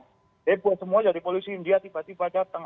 jadi buat semua jadi polisi india tiba tiba datang